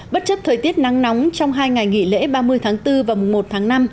bất chấp thời tiết nắng nóng trong hai ngày nghỉ lễ ba mươi tháng bốn và mùng một tháng năm